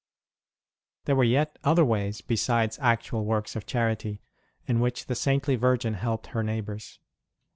There were yet other ways, besides actual works of chanty, in which the saintly virgin helped her neighbours.